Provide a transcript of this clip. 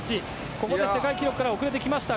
ここで世界記録から遅れてきました。